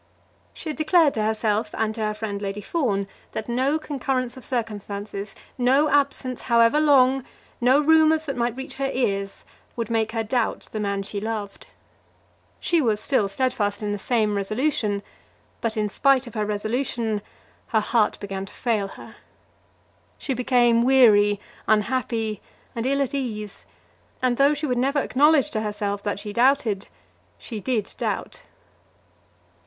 She had declared to herself and to her friend Lady Fawn, that no concurrence of circumstances, no absence, however long, no rumours that might reach her ears, would make her doubt the man she loved. She was still steadfast in the same resolution; but in spite of her resolution her heart began to fail her. She became weary, unhappy, and ill at ease, and though she would never acknowledge to herself that she doubted, she did doubt.